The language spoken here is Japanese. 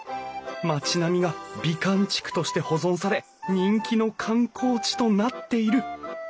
町並みが美観地区として保存され人気の観光地となっているワオ。